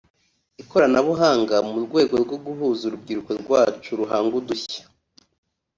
ikoranabuhanga mu rwego rwo guhuza urubyiruko rwacu ruhanga udushya